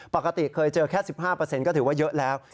ปกติเคยเจอแค่๑๕ก็ถือว่าเยอะแล้ว